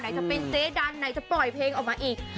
หมายถึงเซดันปล่อยเพลงออกมาอีก